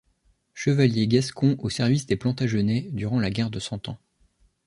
Chevalier gascon au service des Plantagenêt durant la Guerre de Cent Ans.